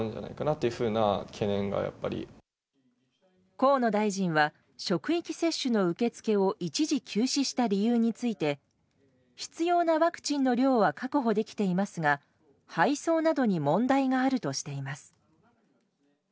河野大臣は職域接種の受け付けを一時休止した理由について必要なワクチンの量は確保できていますが配送などに問題があるとしています。